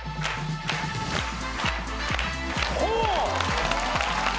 ほう！